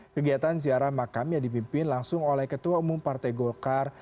kegiatan ziarah makam yang dipimpin langsung oleh ketua umum partai golkar